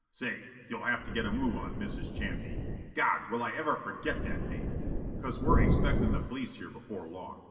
Say, you'll have to get a move on, Mrs. Champney, God, will I ever forget that name! 'cause we're expectin' the police here before long.